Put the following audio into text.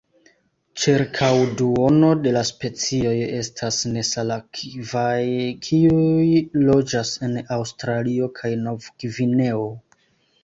Ĉirkaŭ duono de la specioj estas nesalakvaj, kiuj loĝas en Aŭstralio kaj Novgvineo.